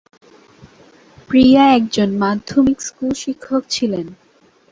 প্রিয়া একজন মাধ্যমিক স্কুল শিক্ষক ছিলেন।